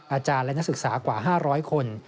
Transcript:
อาจารย์และนักศึกษากว่า๕๐๐คน